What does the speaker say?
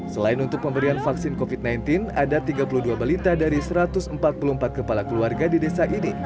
selain untuk pemberian vaksin covid sembilan belas ada tiga puluh dua balita dari satu ratus empat puluh empat kepala keluarga di desa ini